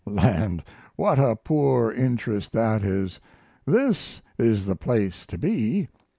land, what a poor interest that is! This is the place to be.